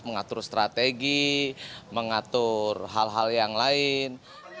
mengatur strategi mengatur hal hal yang lain